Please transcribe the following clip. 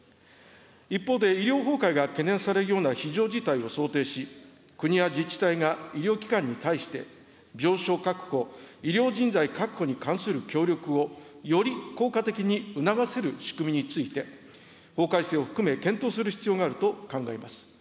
一方で、医療崩壊が懸念されるような非常事態を想定し、国や自治体が医療機関に対して、病床確保、医療人材確保に関する協力をより効果的に促せる仕組みについて、法改正を含め検討する必要があると考えます。